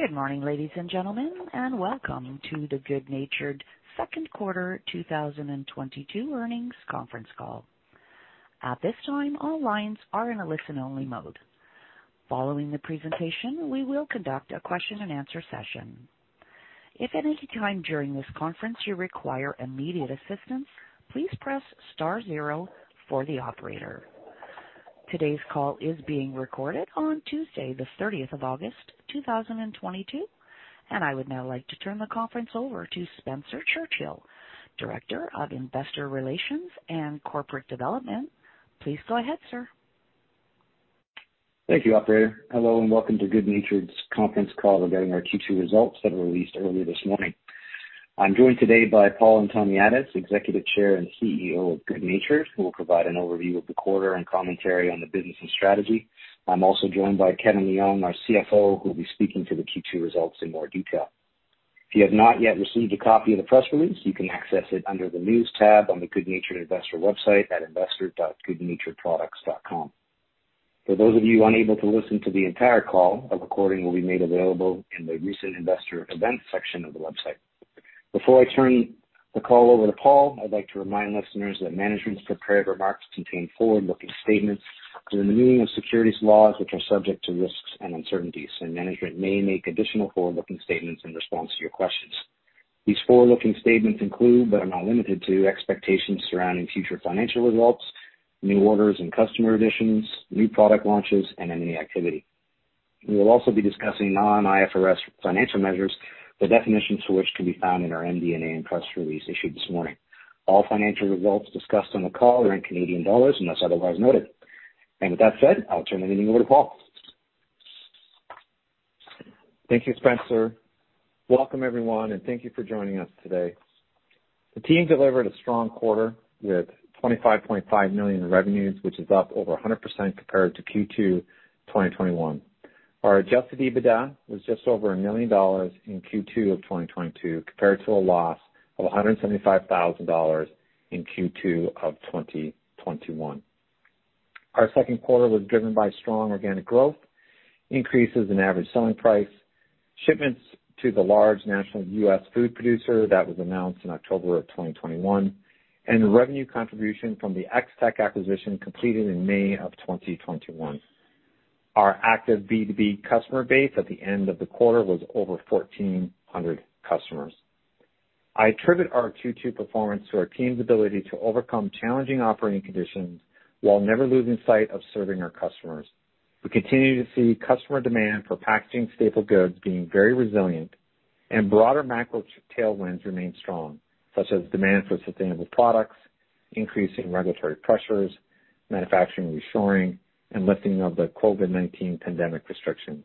Good morning, ladies and gentlemen, and welcome to the good natured Products second quarter 2022 earnings conference call. At this time, all lines are in a listen-only mode. Following the presentation, we will conduct a question-and-answer session. If at any time during this conference you require immediate assistance, please press star zero for the operator. Today's call is being recorded on Tuesday, the 30th of August, 2022. I would now like to turn the conference over to Spencer Churchill, Director of Investor Relations and Corporate Development. Please go ahead, sir. Thank you, operator. Hello, and welcome to good natured Products' conference call regarding our Q2 results that were released earlier this morning. I'm joined today by Paul Antoniadis, Executive Chair and CEO of good natured Products, who will provide an overview of the quarter and commentary on the business and strategy. I'm also joined by Kevin Leong, our CFO, who will be speaking to the Q2 results in more detail. If you have not yet received a copy of the press release, you can access it under the News tab on the good natured Products investor website at investor.goodnaturedproducts.com. For those of you unable to listen to the entire call, a recording will be made available in the Recent Investor Events section of the website. Before I turn the call over to Paul, I'd like to remind listeners that management's prepared remarks contain forward-looking statements within the meaning of securities laws, which are subject to risks and uncertainties, and management may make additional forward-looking statements in response to your questions. These forward-looking statements include, but are not limited to, expectations surrounding future financial results, new orders and customer additions, new product launches, and M&A activity. We will also be discussing non-IFRS financial measures, the definitions for which can be found in our MD&A and press release issued this morning. All financial results discussed on the call are in Canadian dollars, unless otherwise noted. With that said, I'll turn the meeting over to Paul. Thank you, Spencer. Welcome, everyone, and thank you for joining us today. The team delivered a strong quarter with 25.5 million in revenues, which is up over 100% compared to Q2 2021. Our adjusted EBITDA was just over 1 million dollars in Q2 of 2022, compared to a loss of 175,000 dollars in Q2 of 2021. Our second quarter was driven by strong organic growth, increases in average selling price, shipments to the large national U.S. food producer that was announced in October of 2021, and the revenue contribution from the Ex-Tech acquisition completed in May of 2021. Our active B2B customer base at the end of the quarter was over 1,400 customers. I attribute our Q2 performance to our team's ability to overcome challenging operating conditions while never losing sight of serving our customers. We continue to see customer demand for packaging staple goods being very resilient and broader macro tailwinds remain strong, such as demand for sustainable products, increasing regulatory pressures, manufacturing reshoring, and lifting of the COVID-19 pandemic restrictions.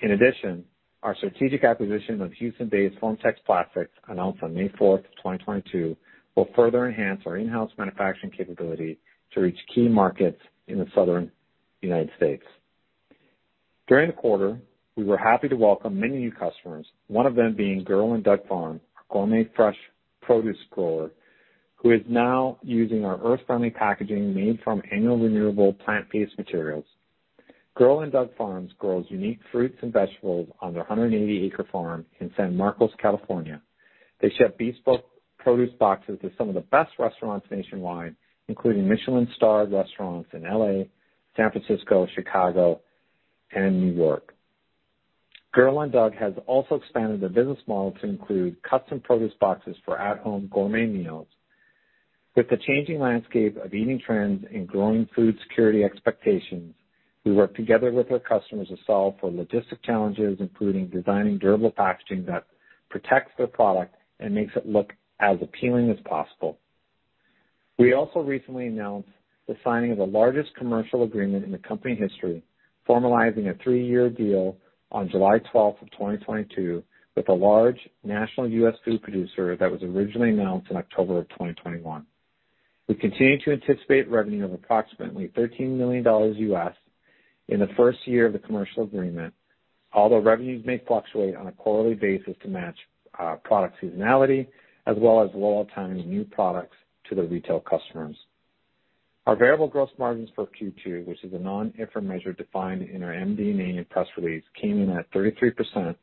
In addition, our strategic acquisition of Houston-based FormTex Plastics, announced on May 4, 2022, will further enhance our in-house manufacturing capability to reach key markets in the Southern United States. During the quarter, we were happy to welcome many new customers, one of them being Girl & Dug Farm, a gourmet fresh produce grower who is now using our earth-friendly packaging made from annual renewable plant-based materials. Girl & Dug Farm grows unique fruits and vegetables on their 180-acre farm in San Marcos, California. They ship bespoke produce boxes to some of the best restaurants nationwide, including Michelin-starred restaurants in L.A., San Francisco, Chicago, and New York. Girl & Dug has also expanded their business model to include costum produce boxes for at-home gourmet meals. With the changing landscape of eating trends and growing food security expectations, we work together with our customers to solve for logistic challenges, including designing durable packaging that protects their product and makes it look as appealing as possible. We also recently announced the signing of the largest commercial agreement in the company history, formalizing a three-year deal on July 12th of 2022 with a large national U.S. food producer that was originally announced in October of 2021. We continue to anticipate revenue of approximately $13 million in the first year of the commercial agreement, although revenue may fluctuate on a quarterly basis to match, product seasonality as well as rollout timing of new products to the retail customers. Our variable gross margins for Q2, which is a non-IFRS measure defined in our MD&A and press release, came in at 33%,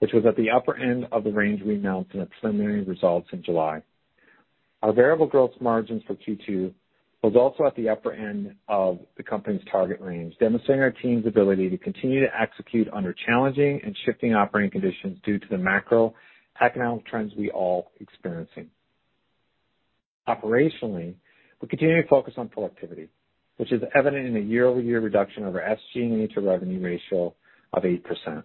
which was at the upper end of the range we announced in the preliminary results in July. Our variable gross margins for Q2 was also at the upper end of the company's target range, demonstrating our team's ability to continue to execute under challenging and shifting operating conditions due to the macro-economic trends we're all experiencing. Operationally, we continue to focus on productivity, which is evident in a year-over-year reduction of our SG&A to revenue ratio of 8%.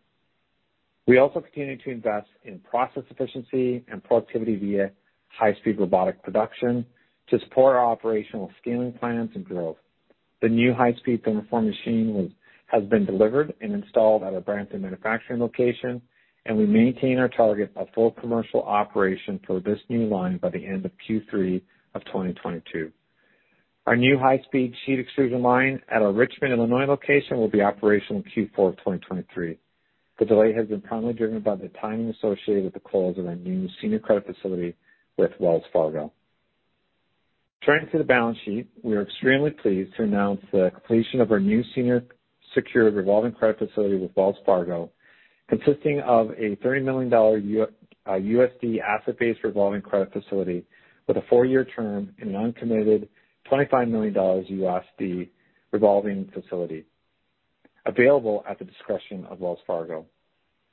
We also continue to invest in process efficiency and productivity via high-speed robotic production to support our operational scaling plans and growth. The new high-speed thermoform machine has been delivered and installed at our Brampton manufacturing location, and we maintain our target of full commercial operation for this new line by the end of Q3 of 2022. Our new high-speed sheet extrusion line at our Richmond, Illinois location will be operational in Q4 of 2023. The delay has been primarily driven by the timing associated with the close of our new senior credit facility with Wells Fargo. Turning to the balance sheet. We are extremely pleased to announce the completion of our new senior secured revolving credit facility with Wells Fargo, consisting of a $30 million USD asset-based revolving credit facility with a four-year term and an uncommitted $25 million USD revolving facility available at the discretion of Wells Fargo.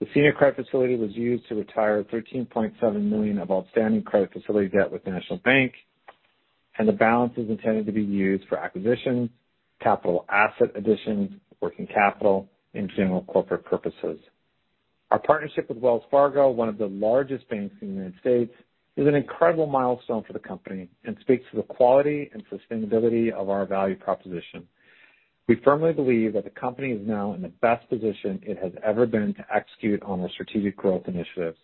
The senior credit facility was used to retire 13.7 million of outstanding credit facility debt with National Bank of Canada, and the balance is intended to be used for acquisitions, capital asset additions, working capital, and general corporate purposes. Our partnership with Wells Fargo, one of the largest banks in the United States, is an incredible milestone for the company and speaks to the quality and sustainability of our value proposition. We firmly believe that the company is now in the best position it has ever been to execute on our strategic growth initiatives.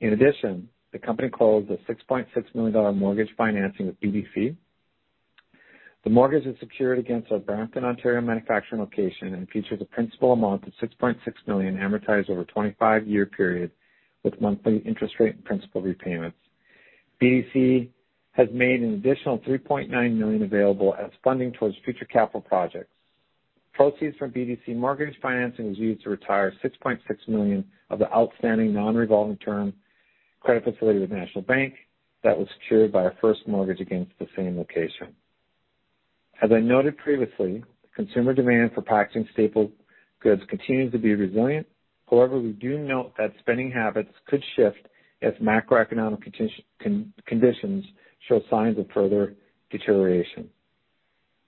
In addition, the company closed a CAD 6.6 million mortgage financing with BDC. The mortgage is secured against our Brampton, Ontario, manufacturing location and features a principal amount of 6.6 million amortized over a 25-year period with monthly interest rate and principal repayments. BDC has made an additional 3.9 million available as funding towards future capital projects. Proceeds from BDC mortgage financing was used to retire 6.6 million of the outstanding non-revolving term credit facility with National Bank of Canada that was secured by a first mortgage against the same location. As I noted previously, consumer demand for packaging staple goods continues to be resilient. However, we do note that spending habits could shift as macroeconomic conditions show signs of further deterioration.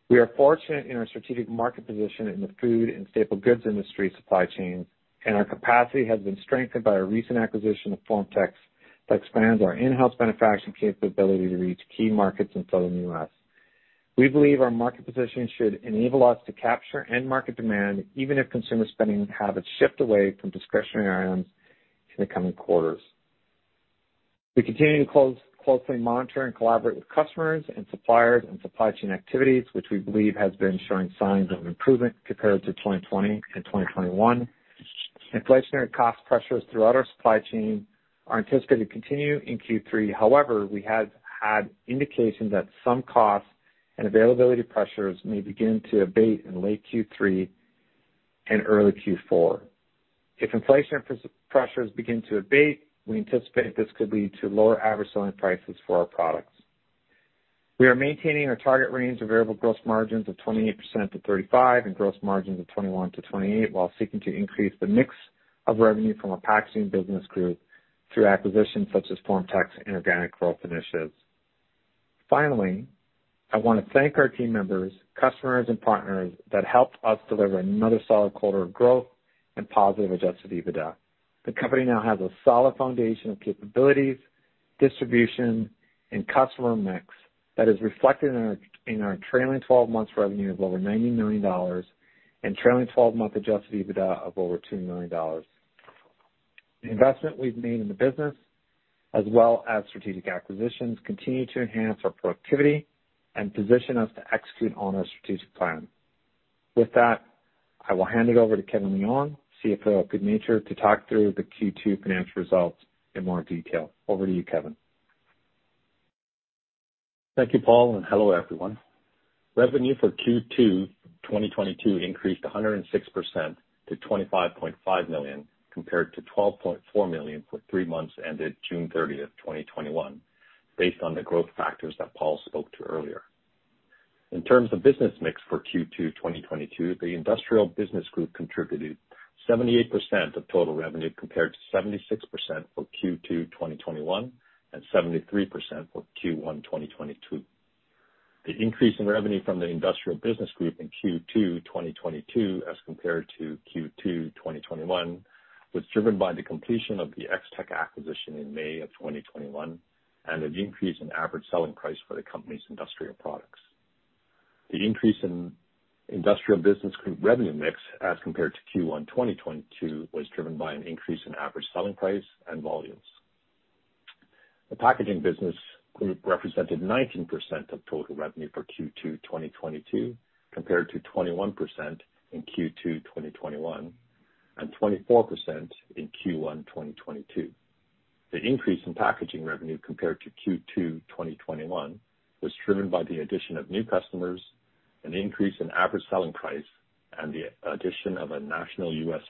We are fortunate in our strategic market position in the food and staple goods industry supply chain, and our capacity has been strengthened by our recent acquisition of FormTex to expand our in-house manufacturing capability to reach key markets in Southern U.S. We believe our market position should enable us to capture end market demand, even if consumer spending habits shift away from discretionary items in the coming quarters. We closely monitor and collaborate with customers and suppliers on supply chain activities, which we believe has been showing signs of improvement compared to 2020 and 2021. Inflationary cost pressures throughout our supply chain are anticipated to continue in Q3. However, we have had indications that some costs and availability pressures may begin to abate in late Q3 and early Q4. If inflation pressures begin to abate, we anticipate this could lead to lower average selling prices for our products. We are maintaining our target range of variable gross margins of 28%-35% and gross margins of 21%-28%, while seeking to increase the mix of revenue from our packaging business group through acquisitions such as FormTex inorganic growth initiatives. Finally, I want to thank our team members, customers and partners that helped us deliver another solid quarter of growth and positive Adjusted EBITDA. The company now has a solid foundation of capabilities, distribution, and customer mix that is reflected in our trailing twelve months revenue of over 90 million dollars and trailing twelve-month Adjusted EBITDA of over 2 million dollars. The investment we've made in the business, as well as strategic acquisitions, continue to enhance our productivity and position us to execute on our strategic plan. With that, I will hand it over to Kevin Leong, CFO of good natured Products, to talk through the Q2 financial results in more detail. Over to you, Kevin. Thank you, Paul, and hello, everyone. Revenue for Q2 2022 increased 106% to 25.5 million, compared to 12.4 million for three months ended June 30, 2021, based on the growth factors that Paul spoke to earlier. In terms of business mix for Q2 2022, the industrial business group contributed 78% of total revenue, compared to 76% for Q2 2021 and 73% for Q1 2022. The increase in revenue from the industrial business group in Q2 2022, as compared to Q2 2021, was driven by the completion of the Ex-Tech acquisition in May 2021 and an increase in average selling price for the company's industrial products. The increase in industrial business group revenue mix as compared to Q1 2022 was driven by an increase in average selling price and volumes. The packaging business group represented 19% of total revenue for Q2 2022, compared to 21% in Q2 2021 and 24% in Q1 2022. The increase in packaging revenue compared to Q2 2021 was driven by the addition of new customers, an increase in average selling price, and the addition of a national U.S.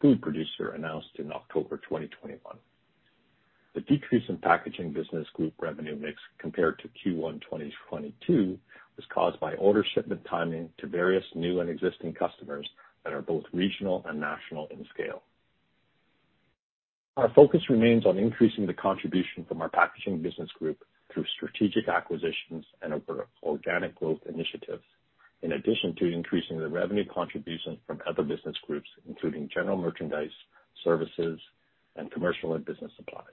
food producer announced in October 2021. The decrease in packaging business group revenue mix compared to Q1 2022 was caused by order shipment timing to various new and existing customers that are both regional and national in scale. Our focus remains on increasing the contribution from our packaging business group through strategic acquisitions and our organic growth initiatives, in addition to increasing the revenue contributions from other business groups, including general merchandise, services, and commercial and business supplies.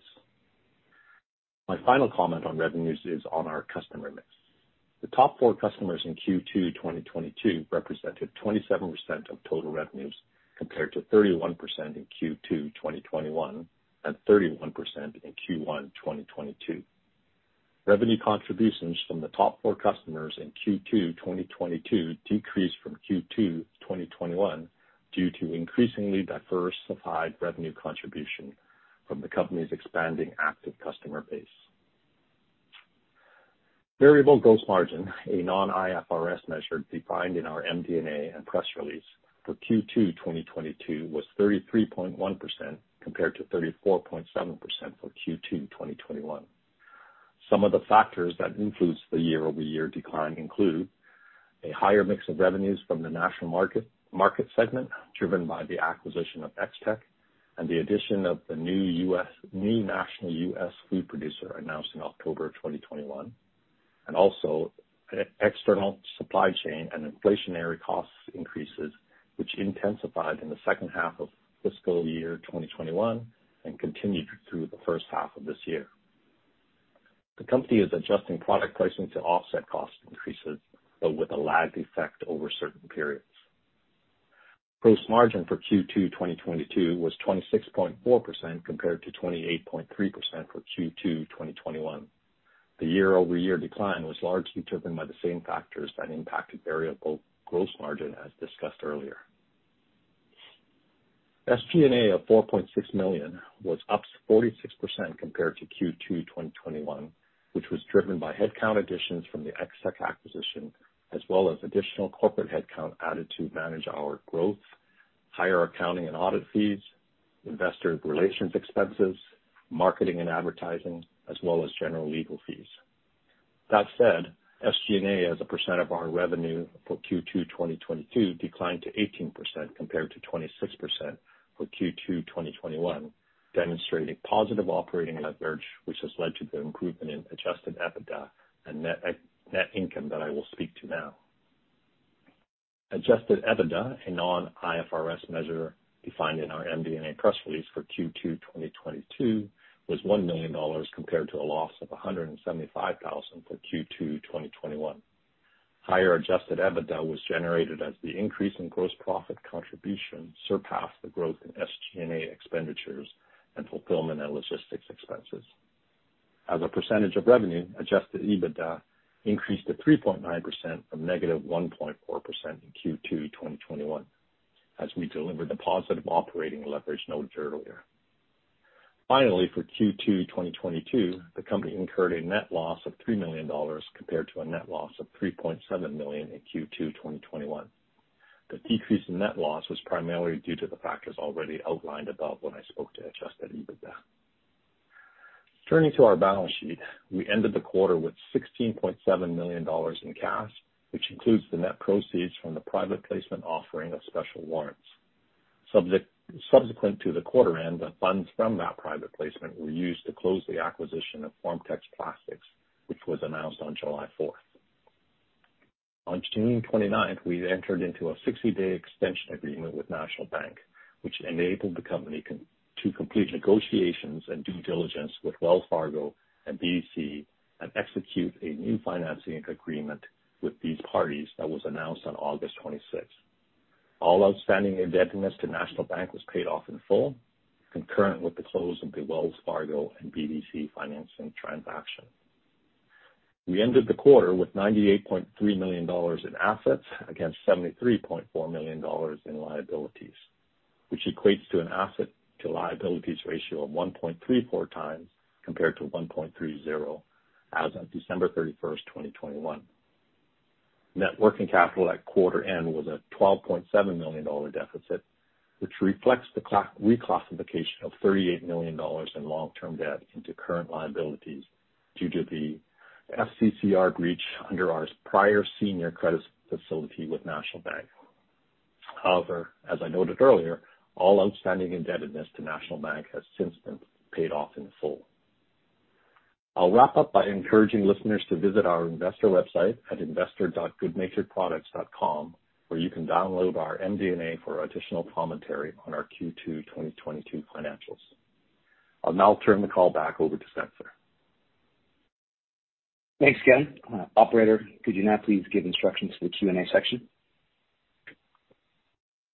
My final comment on revenues is on our customer mix. The top four customers in Q2 2022 represented 27% of total revenues, compared to 31% in Q2 2021 and 31% in Q1 2022. Revenue contributions from the top four customers in Q2 2022 decreased from Q2 2021 due to increasingly diversified revenue contribution from the company's expanding active customer base. Variable gross margin, a non-IFRS measure defined in our MD&A and press release for Q2 2022 was 33.1% compared to 34.7% for Q2 2021. Some of the factors that influenced the year-over-year decline include a higher mix of revenues from the national market segment driven by the acquisition of Ex-Tech and the addition of the new national US food producer announced in October 2021, and also external supply chain and inflationary cost increases, which intensified in the second half of fiscal year 2021 and continued through the first half of this year. The company is adjusting product pricing to offset cost increases, but with a lag effect over certain periods. Gross margin for Q2 2022 was 26.4% compared to 28.3% for Q2 2021. The year-over-year decline was largely driven by the same factors that impacted variable gross margin as discussed earlier. SG&A of 4.6 million was up 46% compared to Q2 2021, which was driven by headcount additions from the Ex-Tech acquisition, as well as additional corporate headcount added to manage our growth, higher accounting and audit fees, investor relations expenses, marketing and advertising, as well as general legal fees. That said, SG&A, as a percent of our revenue for Q2 2022 declined to 18% compared to 26% for Q2 2021, demonstrating positive operating leverage, which has led to the improvement in adjusted EBITDA and net income that I will speak to now. Adjusted EBITDA, a non-IFRS measure defined in our MD&A press release for Q2 2022, was CAD 1 million compared to a loss of CAD 175,000 for Q2 2021. Higher Adjusted EBITDA was generated as the increase in gross profit contribution surpassed the growth in SG&A expenditures and fulfillment and logistics expenses. As a percentage of revenue, Adjusted EBITDA increased to 3.9% from -1.4% in Q2 2021 as we delivered the positive operating leverage noted earlier. Finally, for Q2 2022, the company incurred a net loss of 3 million dollars compared to a net loss of 3.7 million in Q2 2021. The decrease in net loss was primarily due to the factors already outlined above when I spoke to Adjusted EBITDA. Turning to our balance sheet, we ended the quarter with 16.7 million dollars in cash, which includes the net proceeds from the private placement offering of special warrants. Subsequent to the quarter end, the funds from that private placement were used to close the acquisition of FormTex Plastics, which was announced on July 4. On June 29, we entered into a 60-day extension agreement with National Bank, which enabled the company to complete negotiations and due diligence with Wells Fargo and BDC and execute a new financing agreement with these parties that was announced on August 26. All outstanding indebtedness to National Bank was paid off in full, concurrent with the close of the Wells Fargo and BDC financing transaction. We ended the quarter with 98.3 million dollars in assets against 73.4 million dollars in liabilities, which equates to an asset to liabilities ratio of 1.34 times compared to 1.30 as on December 31, 2021. Net working capital at quarter end was a 12.7 million dollar deficit, which reflects the reclassification of 38 million dollars in long-term debt into current liabilities due to the FCCR breach under our prior senior credit facility with National Bank. However, as I noted earlier, all outstanding indebtedness to National Bank has since been paid off in full. I'll wrap up by encouraging listeners to visit our investor website at investor.good natured Products.com, where you can download our MD&A for additional commentary on our Q2 2022 financials. I'll now turn the call back over to Spencer. Thanks, Ken. Operator, could you now please give instructions for the Q&A section?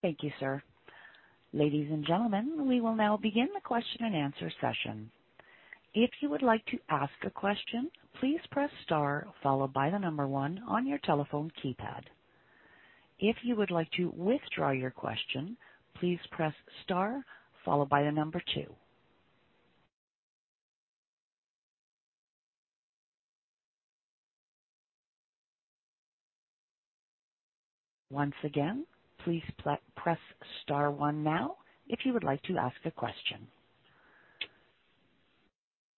Thank you, sir. Ladies and gentlemen, we will now begin the question-and-answer session. If you would like to ask a question, please press star followed by the number one on your telephone keypad. If you would like to withdraw your question, please press star followed by the number two. Once again, please press star one now if you would like to ask a question.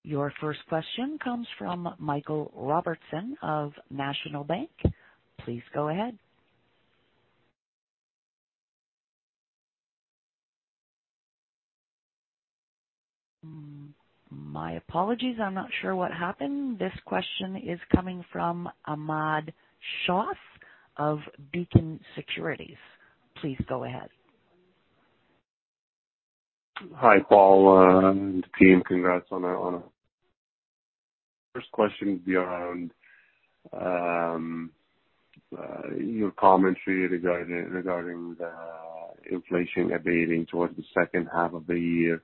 Your first question comes from Michael Robertson of National Bank. Please go ahead. My apologies. I'm not sure what happened. This question is coming from Ahmad Shah of Beacon Securities. Please go ahead. Hi, Paul, and team. Congrats on that one. First question would be around your commentary regarding the inflation abating towards the second half of the year.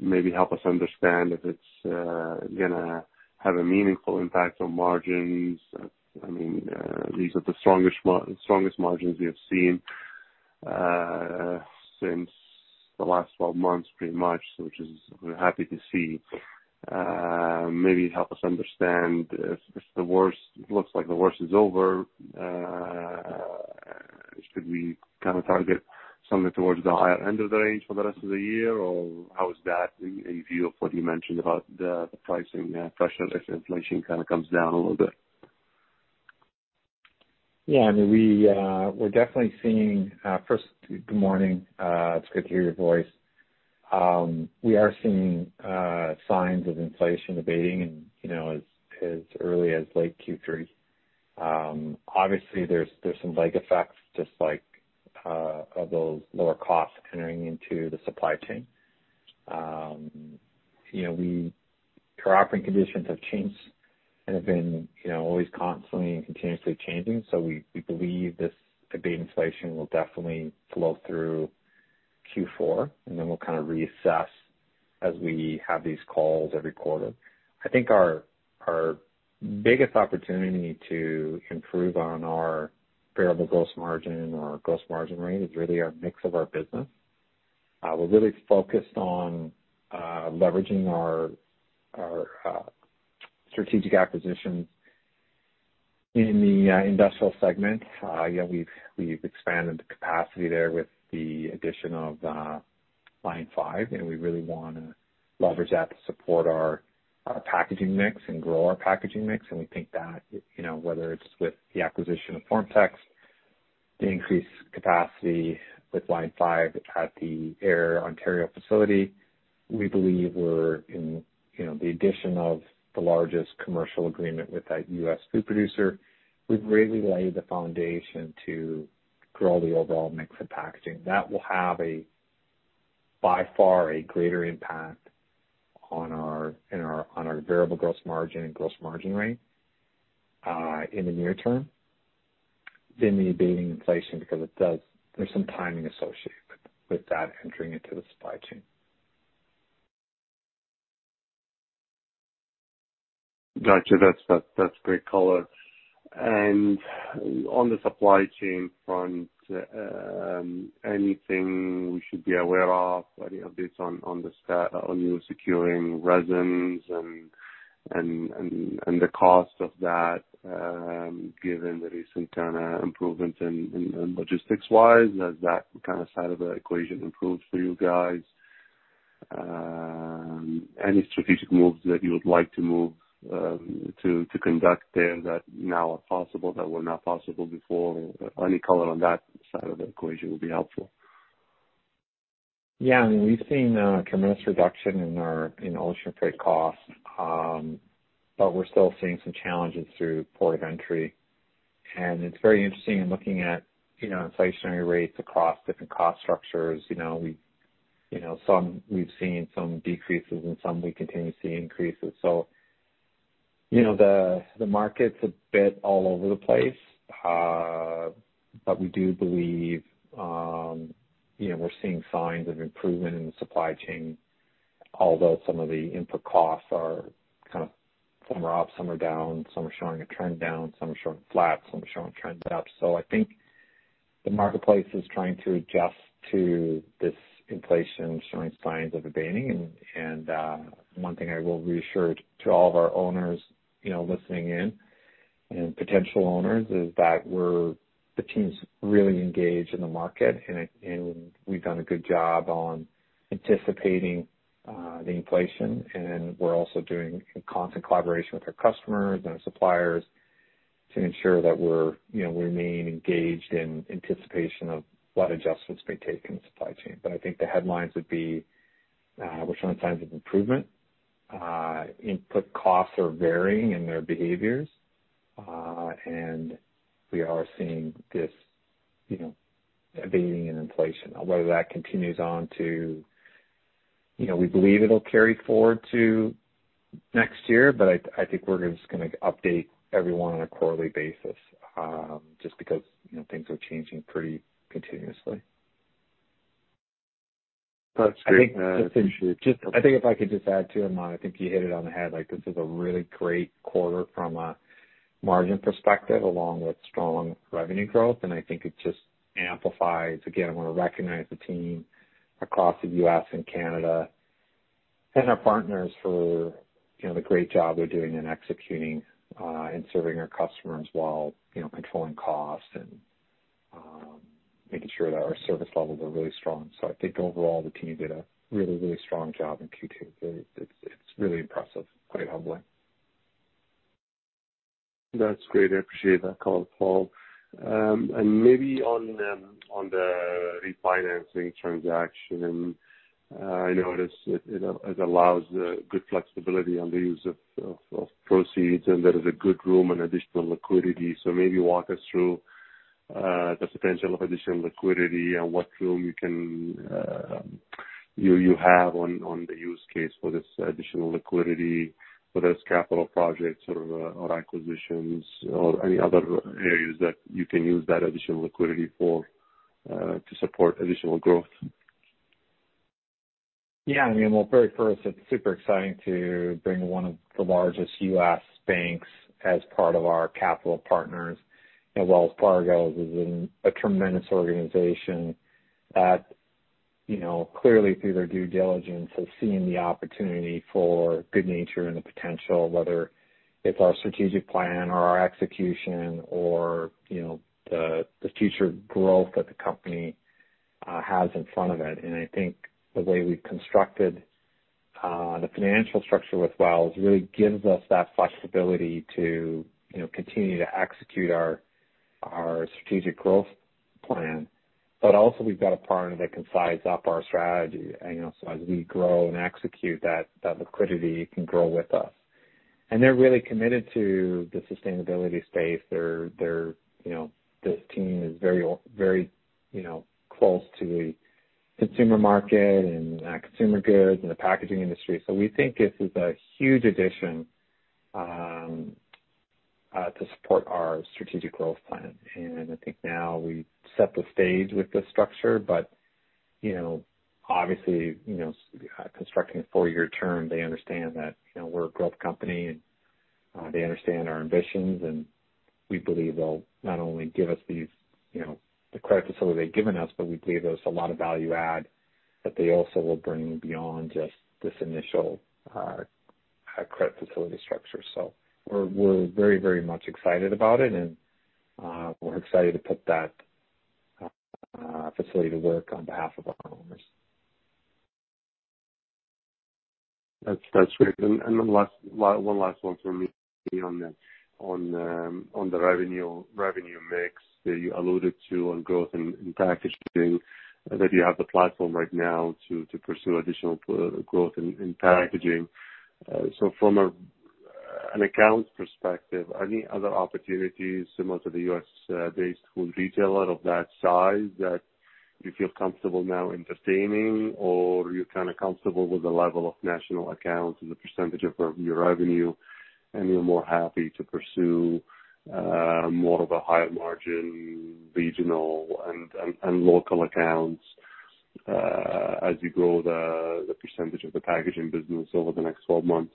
Maybe help us understand if it's gonna have a meaningful impact on margins. I mean, these are the strongest margins we have seen. Since the last 12 months pretty much, which we're happy to see. Maybe help us understand if the worst looks like the worst is over. Should we kind of target something towards the higher end of the range for the rest of the year? Or how is that in view of what you mentioned about the pricing pressure if inflation kind of comes down a little bit? Yeah. I mean, we're definitely seeing first, good morning, it's good to hear your voice. We are seeing signs of inflation abating and, you know, as early as late Q3. Obviously there's some lag effects just like of those lower costs entering into the supply chain. You know, our operating conditions have changed and have been, you know, always constantly and continuously changing, so we believe this abating inflation will definitely flow through Q4, and then we'll kind of reassess as we have these calls every quarter. I think our biggest opportunity to improve on our variable gross margin or gross margin rate is really our mix of our business. We're really focused on leveraging our strategic acquisitions in the industrial segment. You know, we've expanded the capacity there with the addition of line five, and we really wanna leverage that to support our packaging mix and grow our packaging mix. We think that, you know, whether it's with the acquisition of FormTex, the increased capacity with line five at the Ayr, Ontario facility, we believe we're in the addition of the largest commercial agreement with that U.S. food producer, we've really laid the foundation to grow the overall mix of packaging. That will have, by far, a greater impact on our variable gross margin and gross margin rate in the near term than the abating inflation because it does, there's some timing associated with that entering into the supply chain. Got you. That's great color. On the supply chain front, anything we should be aware of? Any updates on you securing resins and the cost of that, given the recent kind of improvements in logistics wise? Has that kind of side of the equation improved for you guys? Any strategic moves that you would like to move to conduct there that now are possible that were not possible before? Any color on that side of the equation would be helpful. Yeah. I mean, we've seen a tremendous reduction in our ocean freight costs, but we're still seeing some challenges through port of entry. It's very interesting in looking at, you know, inflationary rates across different cost structures. You know, we've seen some decreases and some we continue to see increases. The market's a bit all over the place. But we do believe, you know, we're seeing signs of improvement in the supply chain, although some of the input costs are kind of some are up, some are down, some are showing a trend down, some are showing flat, some are showing trends up. I think the marketplace is trying to adjust to this inflation showing signs of abating. One thing I will reassure to all of our owners, you know, listening in, and potential owners, is that the team's really engaged in the market and we've done a good job on anticipating the inflation. We're also doing constant collaboration with our customers and our suppliers to ensure that, you know, we remain engaged in anticipation of what adjustments may take in the supply chain. I think the headlines would be, we're showing signs of improvement. Input costs are varying in their behaviors. And we are seeing this, you know, abating in inflation. Whether that continues on. You know, we believe it'll carry forward to next year, but I think we're just gonna update everyone on a quarterly basis, just because, you know, things are changing pretty continuously. That's great. I think if I could just add to Ahmad Shah, I think you hit it on the head, like this is a really great quarter from a margin perspective along with strong revenue growth. I think it just amplifies. I wanna recognize the team across the U.S. and Canada and our partners for, you know, the great job they're doing in executing and serving our customers while, you know, controlling costs and making sure that our service levels are really strong. I think overall the team did a really strong job in Q2. It's really impressive, quite humbling. That's great. I appreciate that call, Paul. Maybe on the refinancing transaction, I noticed it, you know, it allows good flexibility on the use of proceeds and there is good room for additional liquidity. Maybe walk us through the potential of additional liquidity and what room you can have on the use case for this additional liquidity, whether it's capital projects or acquisitions or any other areas that you can use that additional liquidity for to support additional growth. Yeah, I mean, well, very first, it's super exciting to bring one of the largest U.S. banks as part of our capital partners. Wells Fargo is a tremendous organization that, you know, clearly through their due diligence, has seen the opportunity for good natured Products and the potential, whether it's our strategic plan or our execution or, you know, the future growth that the company has in front of it. I think the way we've constructed the financial structure with Wells really gives us that flexibility to, you know, continue to execute our strategic growth plan. Also we've got a partner that can size up our strategy, you know, so as we grow and execute that liquidity can grow with us. They're really committed to the sustainability space. They're, you know, this team is very close to the consumer market and consumer goods and the packaging industry. We think this is a huge addition to support our strategic growth plan. I think now we set the stage with this structure. You know, obviously, constructing a four-year term, they understand that, you know, we're a growth company and they understand our ambitions. We believe they'll not only give us these, you know, the credit facility they've given us, but we believe there's a lot of value add that they also will bring beyond just this initial credit facility structure. We're very much excited about it, and we're excited to put that facility to work on behalf of our owners. That's great. One last one for me on the revenue mix that you alluded to on growth in packaging, that you have the platform right now to pursue additional growth in packaging. From an accounts perspective, any other opportunities similar to the U.S.-based food retailer of that size that you feel comfortable now entertaining? Or are you kind of comfortable with the level of national accounts as a percentage of your revenue, and you're more happy to pursue more of a higher margin regional and local accounts as you grow the percentage of the packaging business over the next 12 months?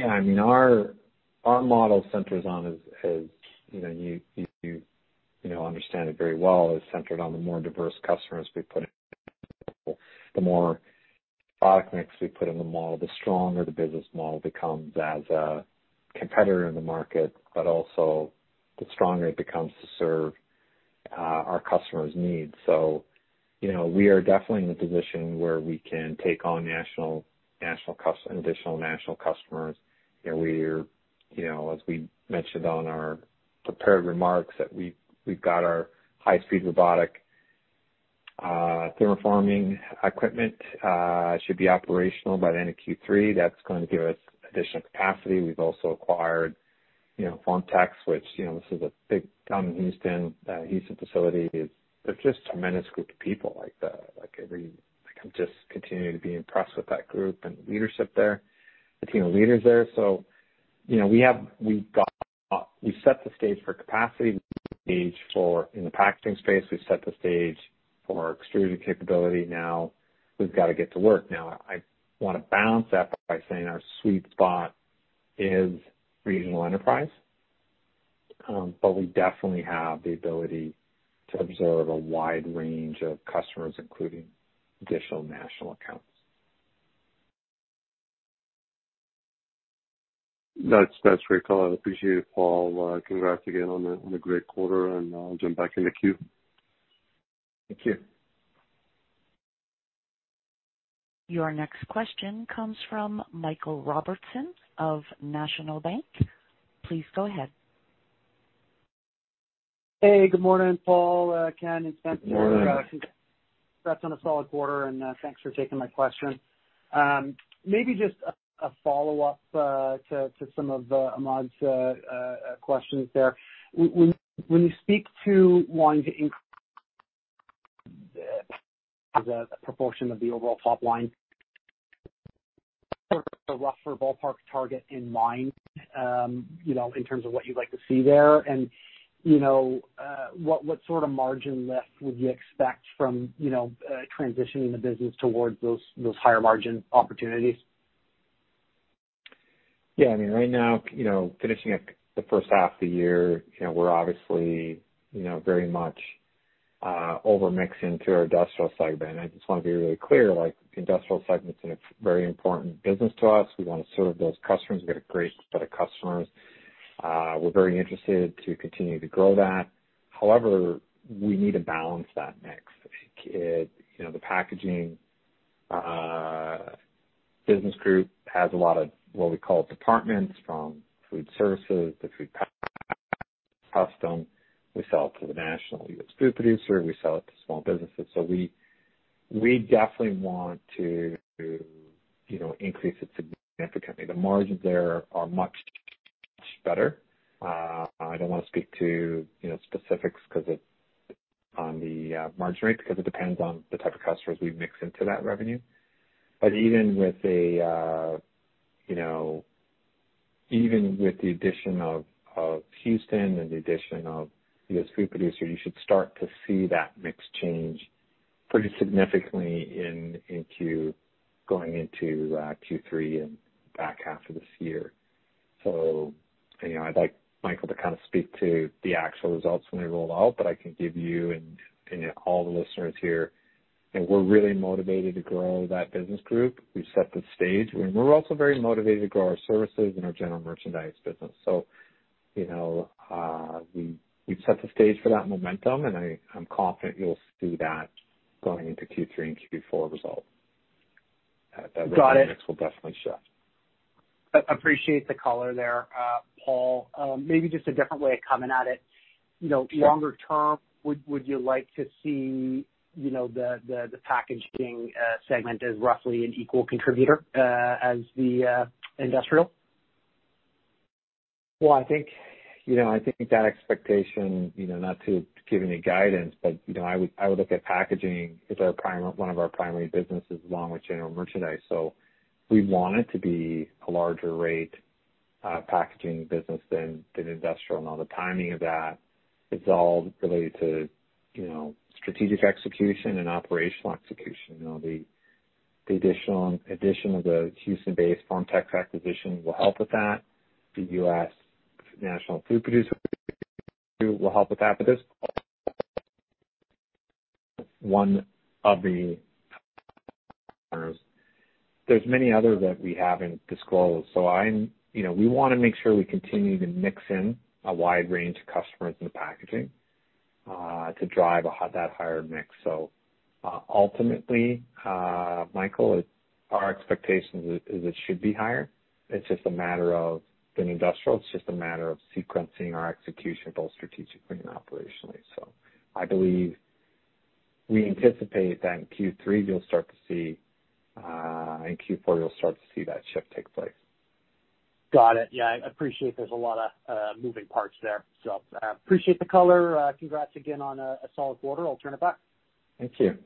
I mean, our model centers on, you know, you understand it very well, is centered on the more diverse customers we put. The more product mix we put in the model, the stronger the business model becomes as a competitor in the market, but also the stronger it becomes to serve our customers' needs. You know, we are definitely in the position where we can take on additional national customers. We're, you know, as we mentioned on our prepared remarks, that we've got our high-speed robotic thermoforming equipment should be operational by the end of Q3. That's going to give us additional capacity. We've also acquired, you know, FormTex, which, you know, this is a big Houston facility. They're just tremendous group of people. I can just continue to be impressed with that group and leadership there, the team of leaders there. You know, we've set the stage for capacity in the packaging space. We've set the stage for our extrusion capability. Now we've got to get to work. Now I want to balance that by saying our sweet spot is regional enterprise. But we definitely have the ability to serve a wide range of customers, including additional national accounts. That's great, Paul. I appreciate it, Paul. Congrats again on the great quarter, and I'll jump back in the queue. Thank you. Your next question comes from Michael Robertson of National Bank. Please go ahead. Hey, good morning, Paul, Ken, and Spencer. Good morning. Congrats on a solid quarter, and thanks for taking my question. Maybe just a follow-up to some of Ahmad's questions there. When you speak to wanting to increase the proportion of the overall top line, a rough ballpark target in mind, you know, in terms of what you'd like to see there. You know, what sort of margin lift would you expect from, you know, transitioning the business towards those higher margin opportunities? Yeah, I mean, right now, you know, finishing up the first half of the year, you know, we're obviously, you know, very much over-indexing to our industrial segment. I just want to be really clear, like industrial segment's a very important business to us. We want to serve those customers. We've got a great set of customers. We're very interested to continue to grow that. However, we need to balance that mix. You know, the packaging business group has a lot of what we call departments from food services to food custom. We sell it to the national U.S. food producer. We sell it to small businesses. So we definitely want to, you know, increase it significantly. The margins there are much better. I don't want to speak to, you know, specifics 'cause it's on the margin rate, because it depends on the type of customers we mix into that revenue. Even with the addition of Houston and the addition of the U.S. food producer, you should start to see that mix change pretty significantly going into Q3 and back half of this year. You know, I'd like Michael Robertson to kind of speak to the actual results when they roll out, but I can give you and, you know, all the listeners here that we're really motivated to grow that business group. We've set the stage. We're also very motivated to grow our services and our general merchandise business. You know, we've set the stage for that momentum, and I'm confident you'll see that going into Q3 and Q4 results. Got it. That mix will definitely shift. Appreciate the color there, Paul. Maybe just a different way of coming at it, you know, longer term. Would you like to see, you know, the packaging segment as roughly an equal contributor as the industrial? Well, I think, you know, I think that expectation, you know, not to give any guidance, but, you know, I would look at packaging as one of our primary businesses along with general merchandise. We want it to be a larger rate packaging business than industrial. Now, the timing of that is all related to, you know, strategic execution and operational execution. You know, the addition of the Houston-based FormTex acquisition will help with that. The US national food producer will help with that. But there's many other that we haven't disclosed. We wanna make sure we continue to mix in a wide range of customers in the packaging to drive that higher mix. Ultimately, Michael, our expectation is it should be higher. It's just a matter of an industrial. It's just a matter of sequencing our execution both strategically and operationally. I believe we anticipate that in Q3 you'll start to see, in Q4 you'll start to see that shift take place. Got it. Yeah, I appreciate there's a lot of moving parts there, so appreciate the color. Congrats again on a solid quarter. I'll turn it back. Thank you.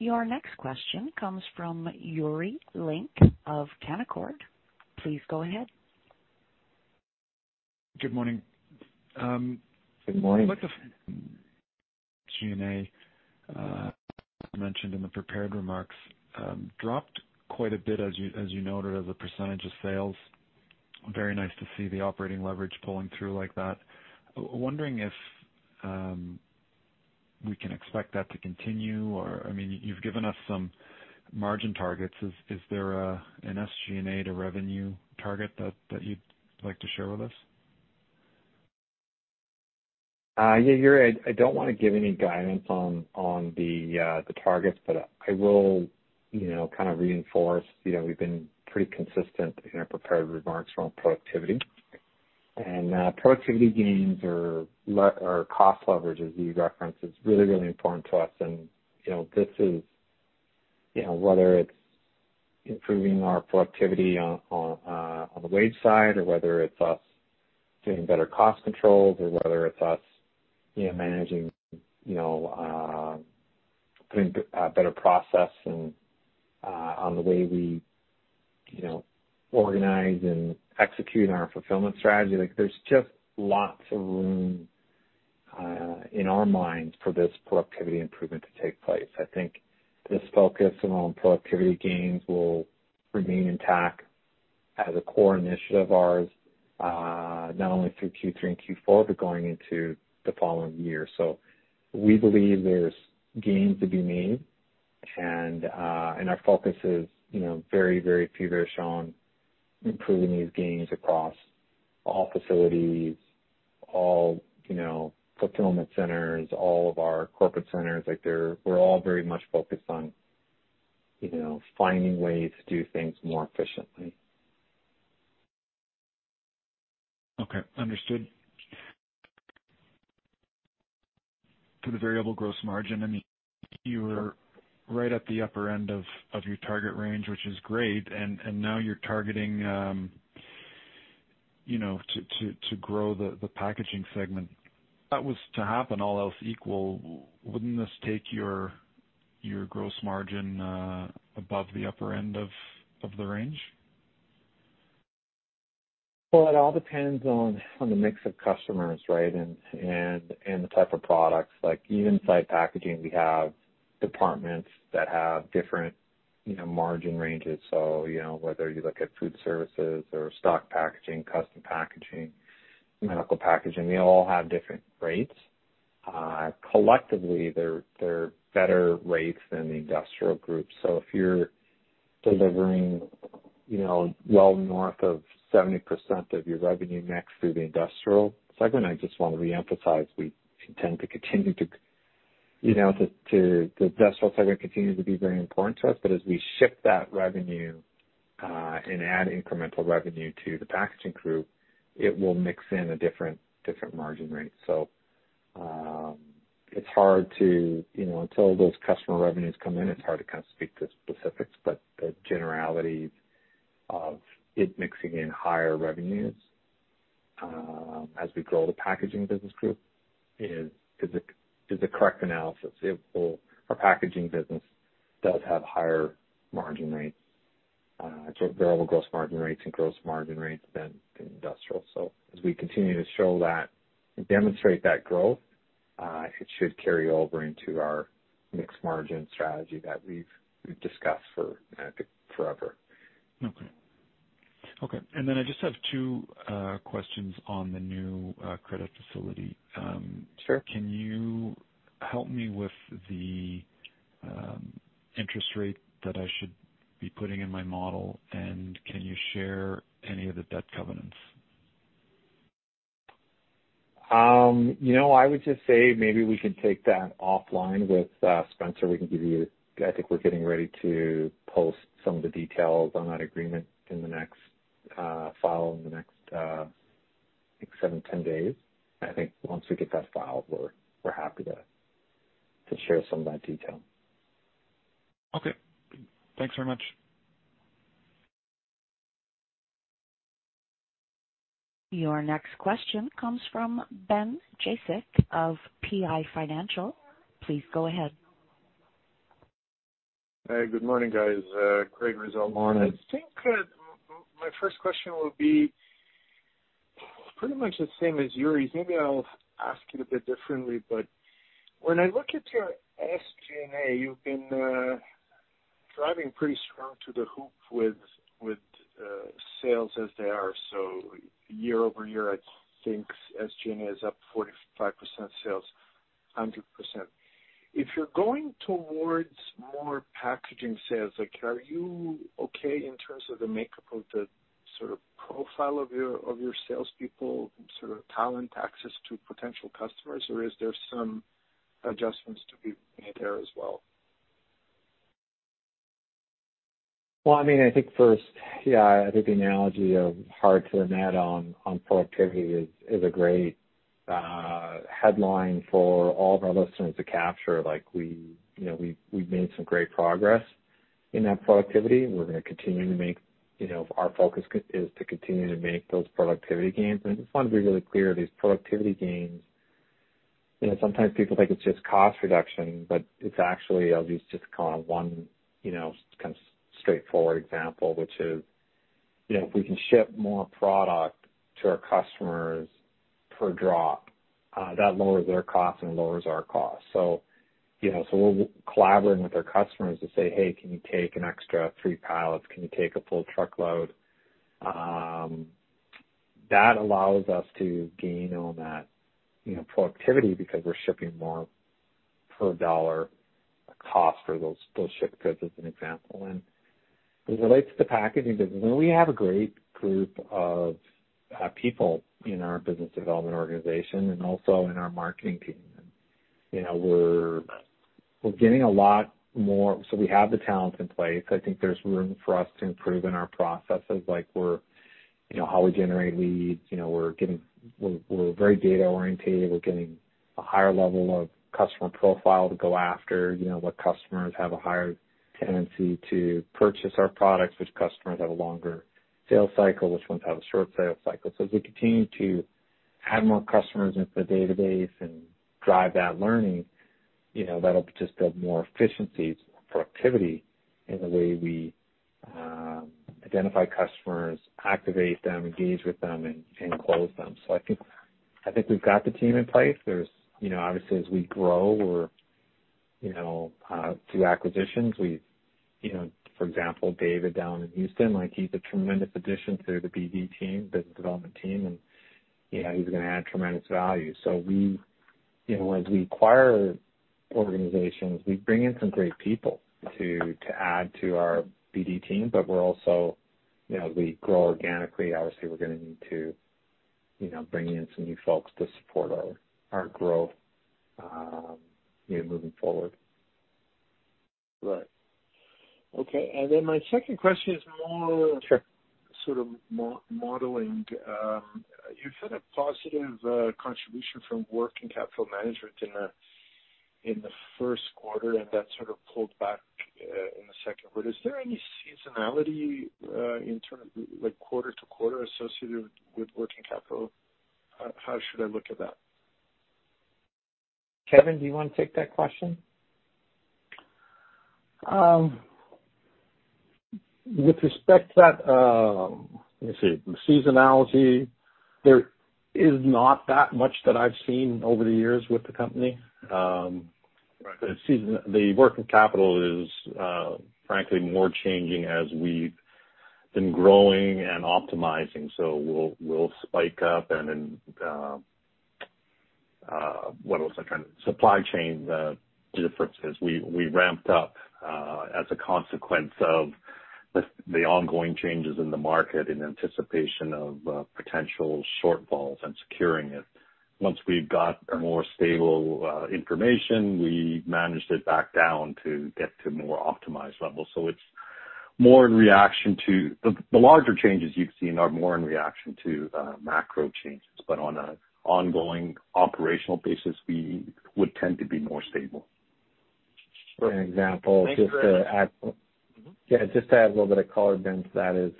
Your next question comes from Yuri Lynk of Canaccord. Please go ahead. Good morning. Good morning. SG&A, mentioned in the prepared remarks, dropped quite a bit, as you noted, as a percentage of sales. Very nice to see the operating leverage pulling through like that. Wondering if we can expect that to continue or, I mean, you've given us some margin targets. Is there an SG&A to revenue target that you'd like to share with us? Yeah, Yuri, I don't want to give any guidance on the targets, but I will, you know, kind of reinforce, you know, we've been pretty consistent in our prepared remarks around productivity. Productivity gains or cost leverage, as you referenced, is really, really important to us. You know, this is, you know, whether it's improving our productivity on the wage side or whether it's us doing better cost controls or whether it's us, you know, managing, you know, putting better process and on the way we, you know, organize and execute our fulfillment strategy. Like, there's just lots of room in our minds for this productivity improvement to take place. I think this focus on productivity gains will remain intact as a core initiative of ours, not only through Q3 and Q4, but going into the following year. We believe there's gains to be made. Our focus is, you know, very, very feverish on improving these gains across all facilities, all, you know, fulfillment centers, all of our corporate centers. Like, we're all very much focused on, you know, finding ways to do things more efficiently. Okay, understood. To the variable gross margin, I mean, you were right at the upper end of your target range, which is great. Now you're targeting, you know, to grow the packaging segment. That was to happen all else equal. Wouldn't this take your gross margin above the upper end of the range? Well, it all depends on the mix of customers, right? The type of products. Like even inside packaging, we have departments that have different, you know, margin ranges. You know, whether you look at food service or roll stock packaging, custom packaging, medical packaging, they all have different rates. Collectively, they're better rates than the industrial group. If you're delivering, you know, well north of 70% of your revenue mix through the industrial segment, I just want to reemphasize the industrial segment continues to be very important to us, but as we shift that revenue and add incremental revenue to the packaging group, it will mix in a different margin rate. It's hard to, you know, until those customer revenues come in, it's hard to kind of speak to specifics. The generalities of it mixing in higher revenues, as we grow the packaging business group is the correct analysis. Our packaging business does have higher margin rates, so variable gross margin rates and gross margin rates than industrial. As we continue to show that and demonstrate that growth, it should carry over into our mixed margin strategy that we've discussed for forever. Okay. I just have two questions on the new credit facility. Sure. Can you help me with the interest rate that I should be putting in my model? Can you share any of the debt covenants? You know, I would just say maybe we should take that offline with Spencer. We can give you. I think we're getting ready to post some of the details on that agreement in the next filing in the next seven-10 days. I think once we get that filed, we're happy to share some of that detail. Okay. Thanks very much. Your next question comes from Ben Jekic of PI Financial. Please go ahead. Hey, good morning, guys. Craig-Hallum on it. Morning. I think my first question will be pretty much the same as Yuri's. Maybe I'll ask it a bit differently, but when I look at your SG&A, you've been driving pretty strong to the hoop with sales as they are. Year-over-year, I think SG&A is up 45%, sales 100%. If you're going towards more packaging sales, like are you okay in terms of the makeup of the sort of profile of your salespeople and sort of talent access to potential customers? Or is there some adjustments to be made there as well? Well, I mean, I think first, yeah, I think the analogy of hard to the net on productivity is a great headline for all of our listeners to capture. Like, we, you know, we've made some great progress in that productivity. We're gonna continue to make, you know, our focus is to continue to make those productivity gains. I just want to be really clear, these productivity gains, you know, sometimes people think it's just cost reduction, but it's actually, I'll use just kind of one, you know, kind of straightforward example, which is, you know, if we can ship more product to our customers per drop, that lowers their cost and lowers our cost. So, you know, we're collaborating with our customers to say, "Hey, can you take an extra three pallets? Can you take a full truckload? That allows us to gain on that, you know, productivity because we're shipping more per dollar cost for those ship goods, as an example. As it relates to the packaging business, we have a great group of people in our business development organization and also in our marketing team. You know, we're getting a lot more. So we have the talents in place. I think there's room for us to improve in our processes, like, you know, how we generate leads. You know, we're getting. We're very data-oriented. We're getting a higher level of customer profile to go after, you know, what customers have a higher tendency to purchase our products, which customers have a longer sales cycle, which ones have a short sales cycle. As we continue to add more customers into the database and drive that learning, you know, that'll just build more efficiencies and productivity in the way we identify customers, activate them, engage with them, and close them. I think we've got the team in place. There's you know obviously as we grow or you know do acquisitions, we you know for example David down in Houston, like he's a tremendous addition to the BD team, business development team, and yeah he's gonna add tremendous value. We you know as we acquire organizations, we bring in some great people to add to our BD team, but we're also you know we grow organically. Obviously we're gonna need to you know bring in some new folks to support our growth you know moving forward. Right. Okay. My second question is more- Sure. Sort of modeling. You've had a positive contribution from working capital management in the first quarter and that sort of pulled back in the second quarter. Is there any seasonality in terms of like quarter to quarter associated with working capital? How should I look at that? Kevin, do you wanna take that question? With respect to that, let me see. Seasonality, there is not that much that I've seen over the years with the company. The working capital is frankly more changing as we've been growing and optimizing, so we'll spike up and then supply chain differences. We ramped up as a consequence of the ongoing changes in the market in anticipation of potential shortfalls and securing it. Once we've got a more stable information, we managed it back down to get to more optimized levels. The larger changes you've seen are more in reaction to macro changes. On an ongoing operational basis, we would tend to be more stable. For example, just to add. Yeah, to add a little bit of color, Ben, to that is,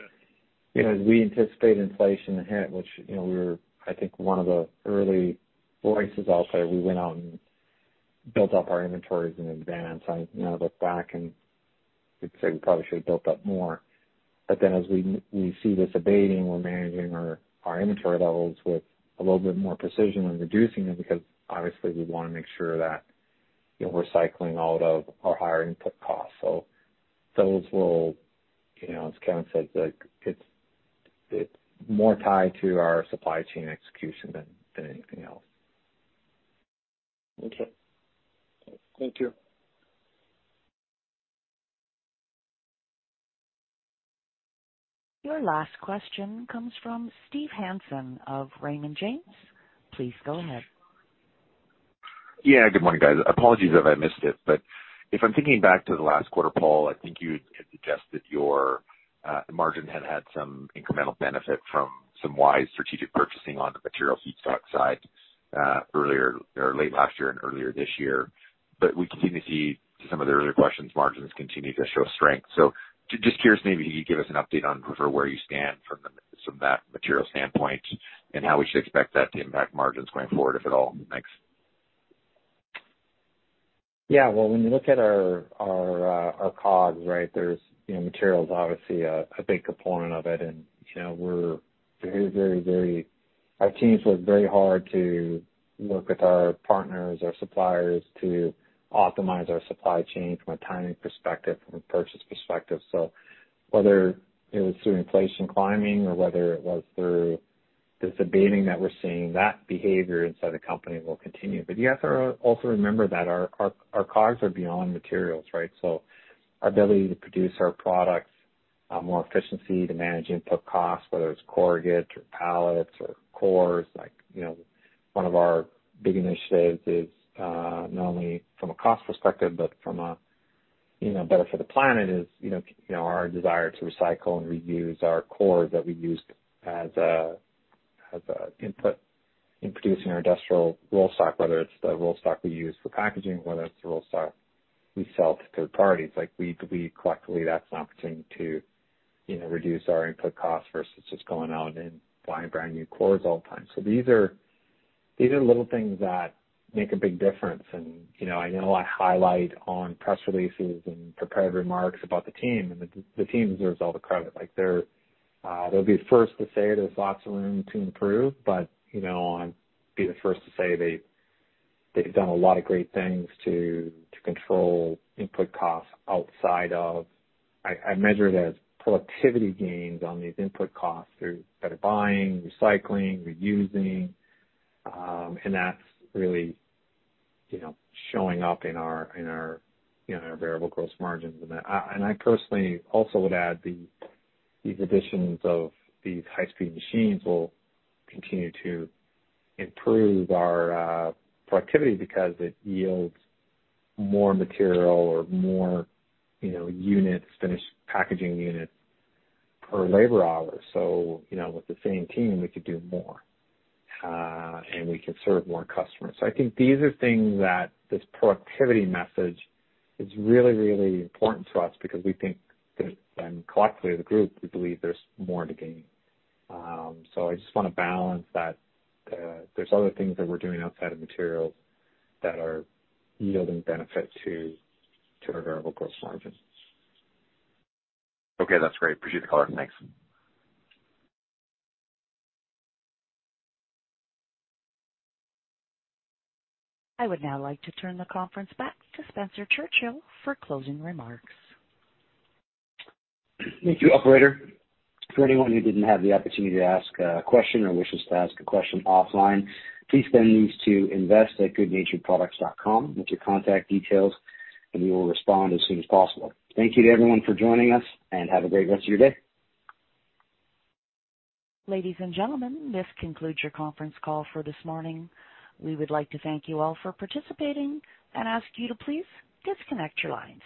you know, as we anticipate inflation to hit, which, you know, we were I think one of the early voices out there, we went out and built up our inventories in advance. I now look back and would say we probably should have built up more. As we see this abating, we're managing our inventory levels with a little bit more precision. We're reducing them because obviously we wanna make sure that, you know, we're cycling out of our higher input costs. Those will, you know, as Kevin said, like it's more tied to our supply chain execution than anything else. Okay. Thank you. Your last question comes from Steve Hansen of Raymond James. Please go ahead. Yeah. Good morning, guys. Apologies if I missed it, but if I'm thinking back to the last quarter, Paul, I think you had suggested your margin had some incremental benefit from some wise strategic purchasing on the material feedstock side, earlier or late last year and earlier this year. We continue to see, to some of the earlier questions, margins continue to show strength. Just curious, maybe can you give us an update on sort of where you stand from that material standpoint and how we should expect that to impact margins going forward, if at all? Thanks. Yeah. Well, when you look at our COGS, right, there's, you know, materials obviously a big component of it. You know, our teams work very hard to work with our partners, our suppliers to optimize our supply chain from a timing perspective, from a purchase perspective. Whether it was through inflation climbing or whether it was through this abating that we're seeing, that behavior inside the company will continue. You have to also remember that our COGS are beyond materials, right? Our ability to produce our products more efficiently to manage input costs, whether it's corrugate or pallets or cores. Like, you know, one of our big initiatives is not only from a cost perspective, but from a better for the planet perspective. You know, our desire to recycle and reuse our cores that we use as an input in producing our industrial roll stock, whether it's the roll stock we use for packaging, whether it's the roll stock we sell to third parties. Like we collectively, that's an opportunity to, you know, reduce our input costs versus just going out and buying brand-new cores all the time. These are little things that make a big difference. You know, I know I highlight on press releases and prepared remarks about the team, and the team deserves all the credit. Like they're, they'll be the first to say there's lots of room to improve. You know, I'd be the first to say they've done a lot of great things to control input costs outside of. I measure it as productivity gains on these input costs through better buying, recycling, reusing. That's really, you know, showing up in our variable gross margins. I personally also would add these additions of these high-speed machines will continue to improve our productivity because it yields more material or more units, finished packaging units per labor hour. You know, with the same team, we could do more, and we can serve more customers. I think these are things that this productivity message is really, really important to us because we think there's, and collectively as a group, we believe there's more to gain. I just wanna balance that, there's other things that we're doing outside of materials that are yielding benefit to our variable gross margins. Okay. That's great. Appreciate the color. Thanks. I would now like to turn the conference back to Spencer Churchill for closing remarks. Thank you, operator. For anyone who didn't have the opportunity to ask a question or wishes to ask a question offline, please send these to invest@goodnaturedproducts.com with your contact details, and we will respond as soon as possible. Thank you to everyone for joining us, and have a great rest of your day. Ladies and gentlemen, this concludes your conference call for this morning. We would like to thank you all for participating and ask you to please disconnect your lines.